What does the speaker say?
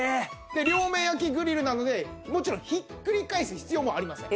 で両面焼きグリルなのでもちろんひっくり返す必要もありません。